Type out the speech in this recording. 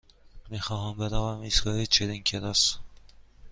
می خواهم بروم ایستگاه چرینگ کراس.